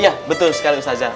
iya betul sekali ustazah